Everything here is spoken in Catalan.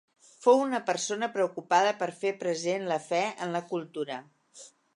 Fou una persona preocupada per fer present la fe en la cultura.